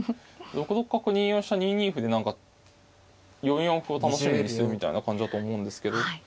６六角２四飛車２二歩で何か４四歩を楽しみにするみたいな感じだと思うんですけど。